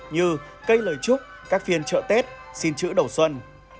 như cây lời chúc các phiên trợ tết xin chữ đầu xuân